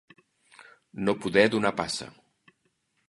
No poder donar passa.